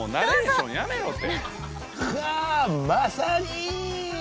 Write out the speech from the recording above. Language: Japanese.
もうナレーションやめろて。